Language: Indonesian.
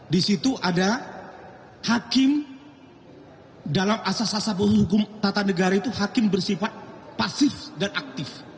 di situ ada hakim dalam asas asas hukum tata negara itu hakim bersifat pasif dan aktif